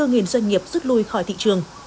hơn bảy mươi bốn doanh nghiệp rút lui khỏi thị trường